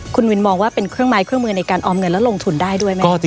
คุณวินมองว่าเป็นเครื่องไม้เครื่องมือในการออมเงินแล้วลงทุนได้ด้วยไหมคะ